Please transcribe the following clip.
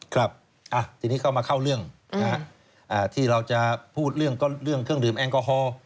ครับทีนี้ก็มาเข้าเรื่องที่เราจะพูดเรื่องเครื่องดื่มแอลกอฮอล์